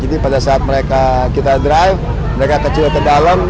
jadi pada saat mereka kita drive mereka kecil ke dalam